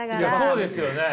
そうですよね！